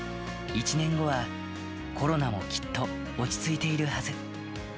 １年後は、コロナもきっと落ち着いているはず。